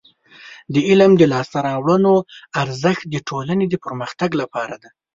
د علم د لاسته راوړنو ارزښت د ټولنې د پرمختګ لپاره دی.